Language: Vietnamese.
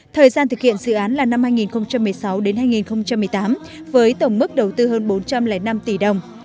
thời gian thực hiện dự án là năm hai nghìn một mươi sáu hai nghìn một mươi tám với tổng mức đầu tư hơn bốn trăm linh năm tỷ đồng